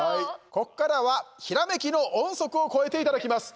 ここからは、ひらめきの音速を超えていただきます。